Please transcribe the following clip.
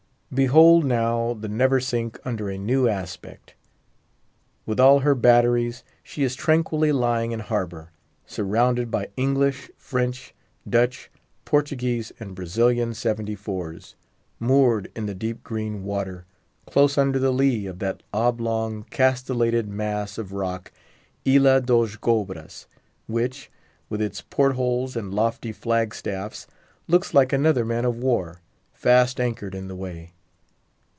Behold, now, the Neversink under a new aspect. With all her batteries, she is tranquilly lying in harbour, surrounded by English, French, Dutch, Portuguese, and Brazilian seventy fours, moored in the deep green water, close under the lee of that oblong, castellated mass of rock, Ilha Dos Cobras, which, with its port holes and lofty flag staffs, looks like another man of war, fast anchored in the way.